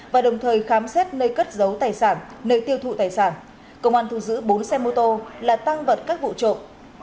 và đồng thời khám xét nơi cất giấu tài sản nơi tiêu thụ tài sản công an thu giữ bốn xe mô tô là tăng vật các vụ trộm